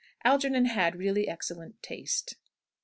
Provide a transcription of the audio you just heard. Algernon had really excellent taste.